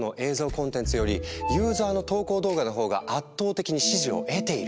コンテンツよりユーザーの投稿動画の方が圧倒的に支持を得ている。